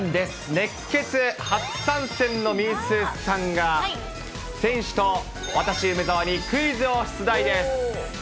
熱ケツ初参戦のみーすーさんが、選手と私、梅澤にクイズを出題です。